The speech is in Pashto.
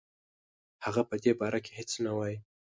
هغه په دې باره کې هیڅ نه وايي.